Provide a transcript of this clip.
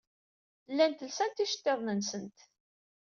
Llant lsant iceḍḍiḍen-nsent.